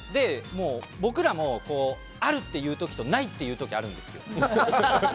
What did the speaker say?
僕らもあるって言う時とないっていう時あるんです。